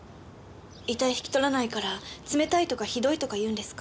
遺体引き取らないから冷たいとかひどいとか言うんですか？